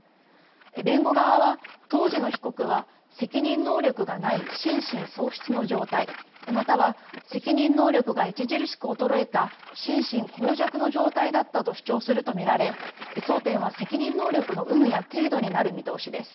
弁護側は、当時の被告は責任能力がない心神喪失の状態、または責任能力が著しく衰えた心神耗弱の状態だったと主張すると見られ争点は責任能力の有無や程度になる見通しです。